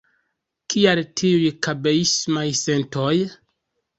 Kial tiuj kabeismaj sentoj?